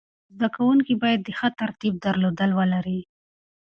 زده کوونکي باید د ښه تربیت درلودل ولري.